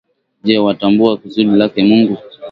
Je watambua kusudi lake Mungu.